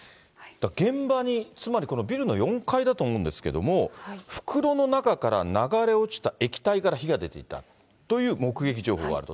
現場に、つまりこのビルの４階だと思うんですけれども、袋の中から流れ落ちた液体から火が出ていたという目撃情報があると。